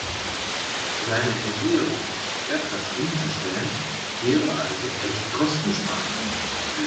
Seine Ernährung auf Erdgas umzustellen, wäre also echt kostensparend.